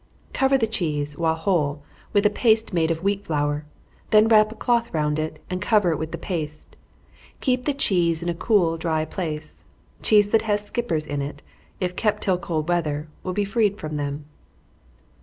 _ Cover the cheese, while whole, with a paste made of wheat flour; then wrap a cloth round it, and cover it with the paste. Keep the cheese in a cool, dry place. Cheese that has skippers in it, if kept till cold weather, will be freed from them.